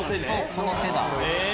この手だ。